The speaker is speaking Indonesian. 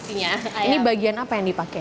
ini bagian apa yang dipakai